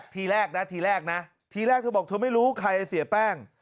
ทีแรกนะทีแรกนะทีแรกเธอบอกเธอไม่รู้ใครเสียแป้ง